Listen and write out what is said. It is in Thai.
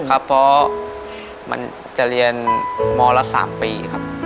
ครับเพราะมันจะเรียนมละ๓ปีครับ